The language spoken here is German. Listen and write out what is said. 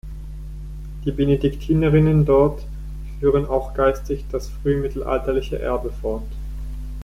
Die Benediktinerinnen dort führen auch geistig das frühmittelalterliche Erbe fort.